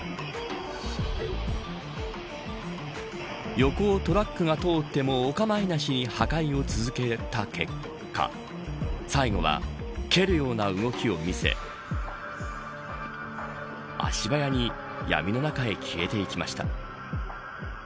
横をトラックが通ってもお構いなしに破壊を続けた結果最後は蹴るような動きを見せ足早に闇の中へ消えていきました。